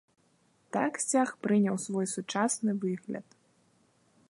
Так сцяг прыняў свой сучасны выгляд.